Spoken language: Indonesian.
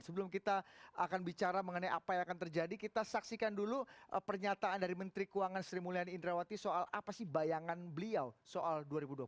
sebelum kita akan bicara mengenai apa yang akan terjadi kita saksikan dulu pernyataan dari menteri keuangan sri mulyani indrawati soal apa sih bayangan beliau soal dua ribu dua puluh empat